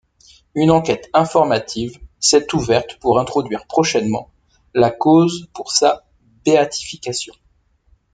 Une enquête informative s'est ouverte pour introduire prochainement la cause pour sa béatification.